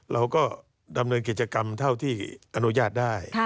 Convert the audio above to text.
เราก็ดำเนินกิจกรรมเท่าที่อนุญาตได้